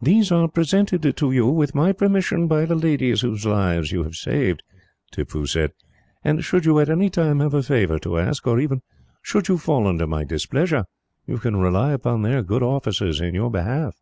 "These are presented to you, with my permission, by the ladies whose lives you saved," Tippoo said; "and should you at any time have a favour to ask, or even should you fall under my displeasure, you can rely upon their good offices in your behalf."